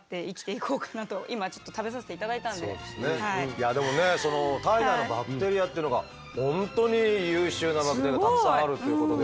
いやでもねその体内のバクテリアっていうのが本当に優秀なバクテリアがたくさんあるっていうことでは。